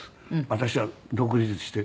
私が独立して。